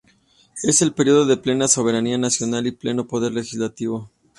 Es el periodo de plena soberanía nacional y pleno poder legislativo.